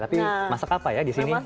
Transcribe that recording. tapi masak apa ya di sini